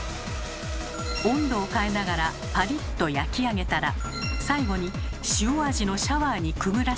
温度を変えながらパリッと焼き上げたら最後に塩味のシャワーにくぐらせて味付け。